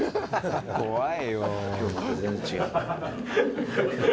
怖いよ。